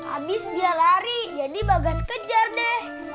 abis dia lari jadi bagan kejar deh